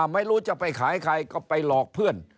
ไม่รู้จะไปขายใครก็ไปหลอกเพื่อน